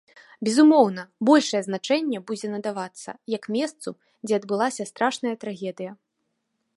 Безумоўна, большае значэнне будзе надавацца як месцу, дзе адбылася страшная трагедыя.